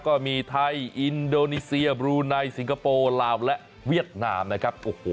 ก็มีไทยอินโดนีเซียบรูไนสิงคโปร์ลาวและเวียดนามนะครับ